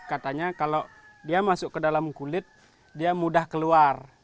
katanya kalau dia masuk ke dalam kulit dia mudah keluar